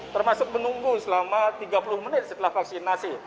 termasuk menunggu selama tiga puluh menit setelah vaksinasi